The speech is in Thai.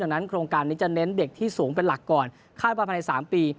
ดังนั้นโครงการนี้จะเน้นเด็กที่สูงเป็นหลักก่อนคาดว่าภายใน๓ปี